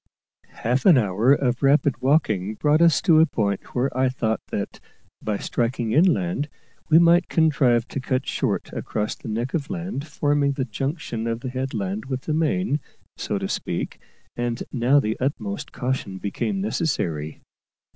Half an hour of rapid walking brought us to a point where I thought that, by striking inland, we might contrive to cut short across the neck of land forming the junction of the headland with the main, so to speak; and now the utmost caution became necessary.